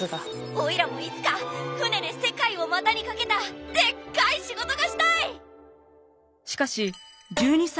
おいらもいつか船で世界を股にかけたでっかい仕事がしたい！